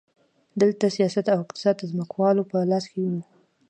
دلته سیاست او اقتصاد د ځمکوالو په لاس کې وو.